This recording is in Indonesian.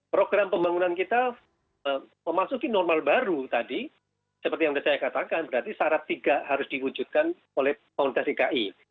program pembangunan kita memasuki normal baru tadi seperti yang sudah saya katakan berarti syarat tiga harus diwujudkan oleh pemerintah dki